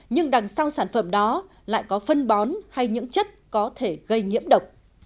nhưng đằng sau sản phẩm đó lại có phân bón hay những chất có thể gây nhiễm độc